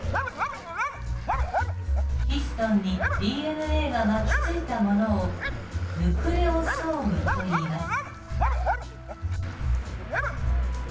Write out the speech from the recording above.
ヒストンにＤＮＡが巻きついたものをヌクレオソームといいます。